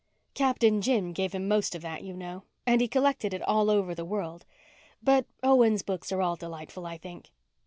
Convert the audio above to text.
"Captain Jim gave him the most of that, you know. And he collected it all over the world. But Owen's books are all delightful, I think."